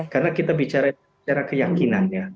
karena kita bicara secara keyakinan ya